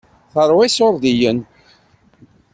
Teṛwa iṣuṛdiyen.